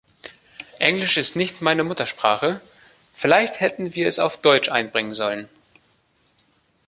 Englisch ist nicht meine Muttersprache, vielleicht hätten wir es auf Deutsch einbringen sollen.